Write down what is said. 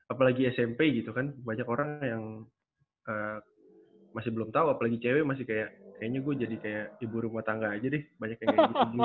apalagi smp gitu kan banyak orang yang masih belum tahu apalagi cewek masih kayak kayaknya gue jadi kayak ibu rumah tangga aja deh banyak yang kayak gitu gini